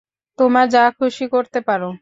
তোমার যা খুশি করতে পারো।